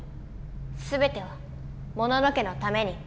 すべてはモノノ家のために。